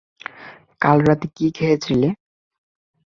কাল রাতে কি খেয়েছিলে?